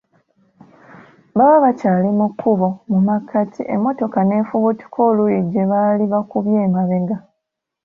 Baba bakyali mu kkubo mu makkati emmotoka neefubutuka oluuyi gye baali bakubye amabega.